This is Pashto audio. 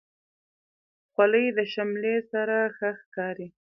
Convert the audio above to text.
خولۍ د شملې سره ښه ښکاري.